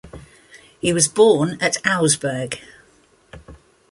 He was born at Augsburg.